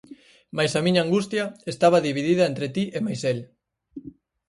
Mais a miña angustia estaba dividida entre ti e mais el.